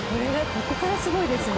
ここからすごいよね。